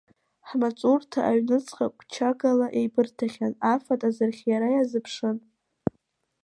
Ҳмаҵурҭа аҩныҵҟа қәчагала еибырҭахьан, афатә азырхиара иазыԥшын.